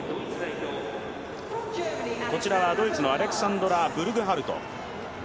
ドイツのアレクサンドラ・ブルグハルト。